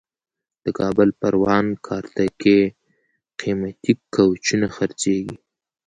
د کابل پروان کارته کې قیمتي کوچونه خرڅېږي.